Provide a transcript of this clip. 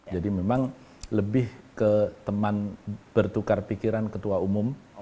jadi memang lebih ke teman bertukar pikiran ketua umum